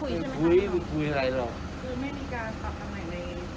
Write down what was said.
ไม่ได้คุยไม่ได้คุยอะไรหรอก